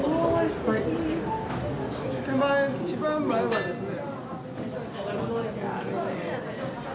手前一番前はですね。